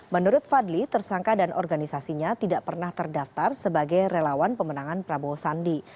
menurut fadli tersangka dan organisasinya tidak pernah terdaftar sebagai relawan pemenangan prabowo sandi